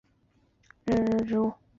库页堇菜为堇菜科堇菜属的植物。